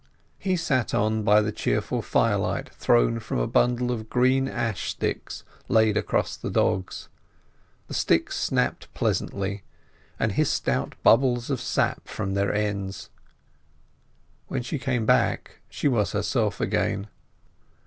He sat on by the cheerful firelight thrown from a bundle of green ash sticks laid across the dogs; the sticks snapped pleasantly, and hissed out bubbles of sap from their ends. When she came back she was herself again.